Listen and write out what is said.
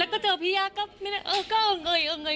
แล้วก็เจอพี่ยาก็ไม่ได้เออก็เอาไงเอาไง